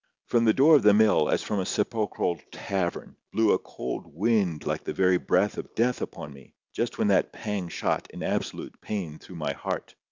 From the door of the mill, as from a sepulchral tavern, blew a cold wind like the very breath of death upon me, just when that pang shot, in absolute pain, through my heart.